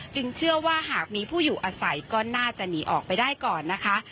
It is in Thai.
เชื่อว่าหากมีผู้อยู่อาศัยก็น่าจะหนีออกไปได้ก่อนนะคะ